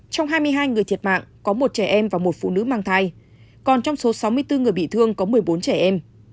trong hai mươi hai người thiệt mạng có một trẻ em và một phụ nữ mang thai còn trong số sáu mươi bốn người bị thương có một mươi bốn trẻ em